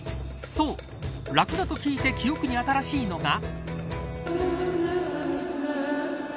そう、ラクダと聞いて記憶に新しいのが。